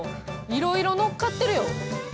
いろいろ乗っかってるよ。